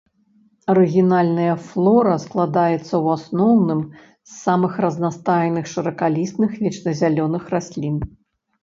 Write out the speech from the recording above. Арыгінальная флора складаецца ў асноўным з самых разнастайных шыракалістых вечназялёных раслін.